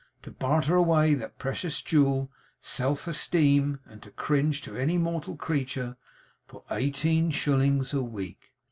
To barter away that precious jewel, self esteem, and cringe to any mortal creature for eighteen shillings a week!